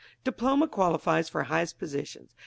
Diploma qualifies for highest positions.